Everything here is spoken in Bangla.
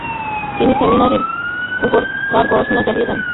তিনি সেমিনারির উপর তার পড়াশোনা চালিয়ে যান।